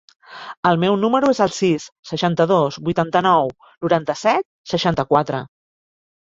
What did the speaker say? El meu número es el sis, seixanta-dos, vuitanta-nou, noranta-set, seixanta-quatre.